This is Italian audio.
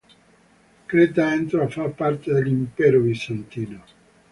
Creta entrò a far parte dell'Impero bizantino.